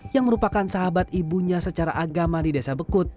yang merupakan sahabat ibunya secara agama di desa bekut